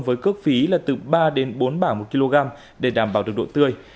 với cước phí là từ ba đến bốn bảng một kg để đảm bảo được độ tươi